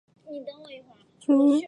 垂穗莎草是莎草科莎草属的植物。